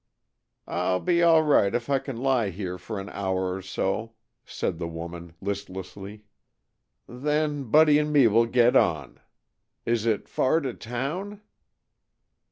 "I'll be all right if I can lie here for an hour or so," said the woman listlessly. "Then Buddy and me will get on. Is it far to town?"